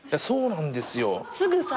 そうなんですよ。